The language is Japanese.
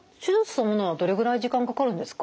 そのものはどれぐらい時間かかるんですか？